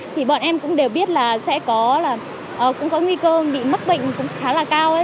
thì bọn em cũng đều biết là sẽ cũng có nguy cơ bị mắc bệnh cũng khá là cao